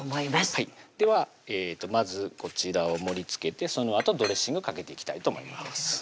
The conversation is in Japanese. はいではまずこちらを盛りつけてそのあとドレッシングかけていきたいと思います